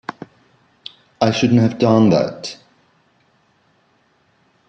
I shouldn't have done that.